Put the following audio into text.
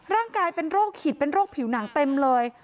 ร่างกายเป็นโรคหิตเป็นโรคผิวหนังเต็มเลย